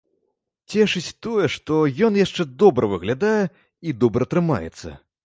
Цешыць тое, што ён яшчэ добра выглядае і добра трымаецца.